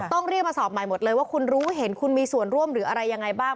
ต้องเรียกมาสอบใหม่หมดเลยว่าคุณรู้เห็นคุณมีส่วนร่วมหรืออะไรยังไงบ้าง